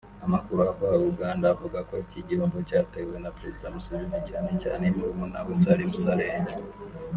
Amakuru ava Uganda avuga ko iki gihombo cyatewe na Perezida Museveni cyane cyane murumuna we Salim Saleh